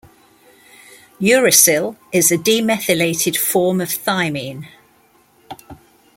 Uracil is a demethylated form of thymine.